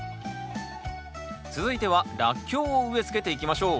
続いてはラッキョウを植え付けていきましょう。